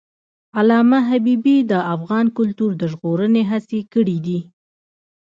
علامه حبیبي د افغان کلتور د ژغورنې هڅې کړی دي.